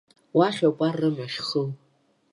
Уахь ауп рымҩа ахьхоу.